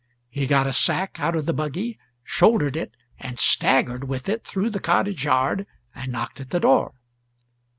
He got a sack out of the buggy, shouldered it, and staggered with it through the cottage yard, and knocked at the door.